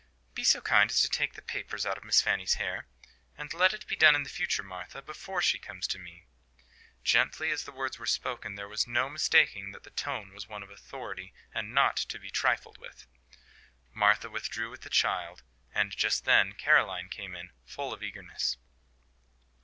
"Be so kind as to take the papers out of Miss Fanny's hair. And let it be done in future, Martha, before she comes to me." Gently as the words were spoken, there was no mistaking that the tone was one of authority, and not to be trifled with. Martha withdrew with the child. And, just then, Caroline came in, full of eagerness.